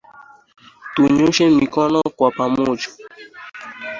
Tunyooshe mikono kwa pamoja